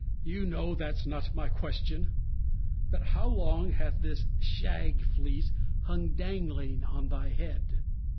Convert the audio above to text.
MORE. You know that's not my question, but how long Hath this shag fleece hung dangling on they head?